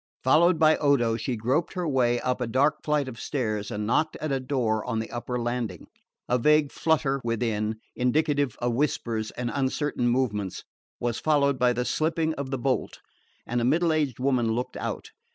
Followed by Odo she groped her way up a dark flight of stairs and knocked at a door on the upper landing. A vague flutter within, indicative of whispers and uncertain movements, was followed by the slipping of the bolt, and a middle aged woman looked out.